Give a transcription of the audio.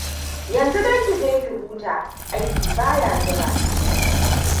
Yanzu dai ki je ki huta. Aiki ba ya jira.